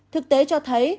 thực tế cho thấy